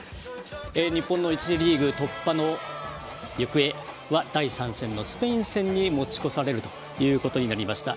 日本の１次リーグ突破の行方は第３戦のスペイン戦に持ち越されるということになりました。